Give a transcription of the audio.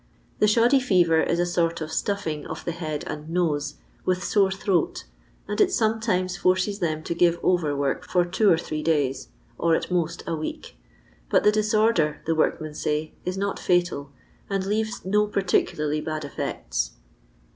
The shoddy fever is a sort of stuffing of the bead and nose, with sore throat, and it sometimes forces them to give over work for two or three days, or at most a week ; but the dis order, the workmen say, is not fatal, and leaves no particularly bad effects.